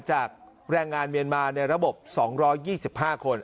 แรงงานเมียนมาในระบบ๒๒๕คน